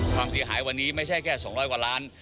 ความเสียหายวันนี้ไม่ใช่แค่๒๐๐กว่าล้าน